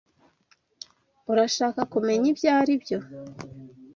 Urashaka kumenya ibyo aribyo?